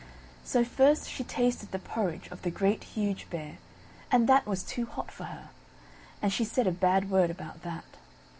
So first she tasted the porridge of the Great, Huge Bear, and that was too hot for her; and she said a bad word about that.